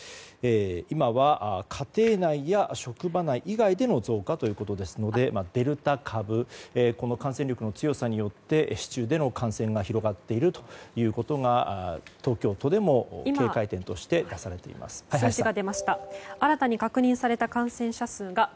今は家庭内や職場内以外での増加ということですのでデルタ株の感染力の強さによって市中での感染が広がっているということが東京都でも見解として今、数字が出ました。